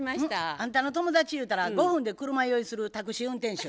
あんたの友達ゆうたら５分で車酔いするタクシー運転手？